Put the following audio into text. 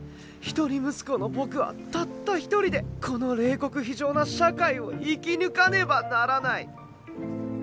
一人息子の僕はたった一人でこの冷酷非情な社会を生き抜かねばならない。